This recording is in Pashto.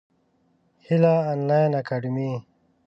هیله انلاین اکاډمي.